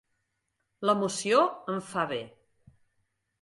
L'emoció em fa bé.